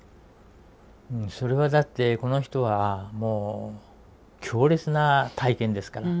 それはだってこの人はもう強烈な体験ですから。